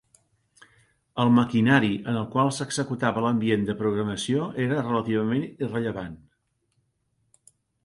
El maquinari en el qual s'executava l'ambient de programació era relativament irrellevant.